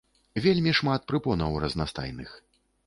Вельмі шмат прыпонаў разнастайных.